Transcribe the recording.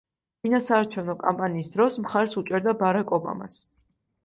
წინასაარჩევნო კამპანიის დროს მხარს უჭერდა ბარაკ ობამას.